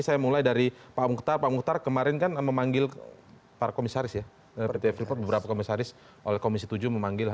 saya mulai dari pak mukhtar pak muhtar kemarin kan memanggil para komisaris ya pt freeport beberapa komisaris oleh komisi tujuh memanggil